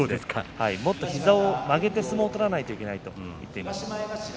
もっと膝を曲げて相撲を取らなければいけないなと話しています。